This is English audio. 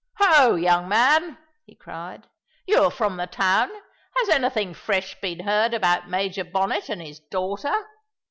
"Ho! young man," he cried, "you are from the town; has anything fresh been heard about Major Bonnet and his daughter?"